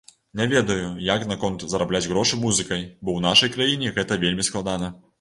Не ведаю, як наконт зарабляць грошы музыкай, бо ў нашай краіне гэта вельмі складана.